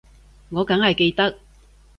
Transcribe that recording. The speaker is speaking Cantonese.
我梗係記得